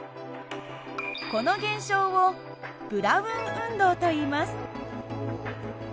この現象をブラウン運動といいます。